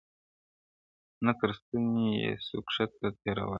نه تر ستوني یې سو کښته تېرولالی.!